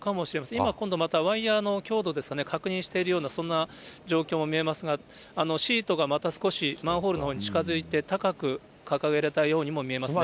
今、今度また、ワイヤーの強度ですかね、確認しているような、そんな状況も見えますが、シートがまた少し、マンホールのほうに近づいて高く掲げられたようにも見えますね。